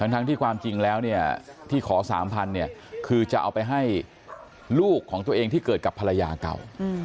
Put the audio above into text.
ทั้งที่ความจริงแล้วเนี่ยที่ขอ๓๐๐เนี่ยคือจะเอาไปให้ลูกของตัวเองที่เกิดกับภรรยาเก่า